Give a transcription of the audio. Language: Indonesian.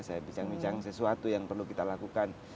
saya bincang bincang sesuatu yang perlu kita lakukan